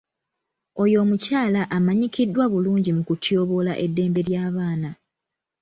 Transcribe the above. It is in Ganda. Oyo omukyala amanyikiddwa bulungi mu kutyoboola eddembe ly'abaana.